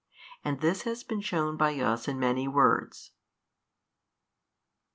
And this has been shewn by us in many words.